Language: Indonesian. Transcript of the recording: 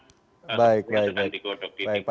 sudah sedang digodok di tingkat